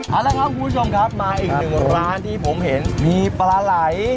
เอาละครับคุณผู้ชมครับมาอีกหนึ่งร้านที่ผมเห็นมีปลาไหล